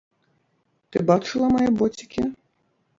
Ты бачыла мае боцікі?